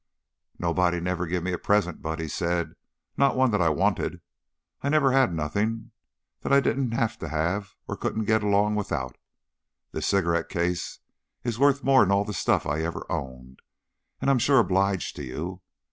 "Nobody never give me a present," Buddy said. "Not one that I wanted. I never had nothing that I didn't have to have and couldn't get along without. This cigareet case is worth more 'n all the stuff I ever owned, an' I'm sure obliged to you."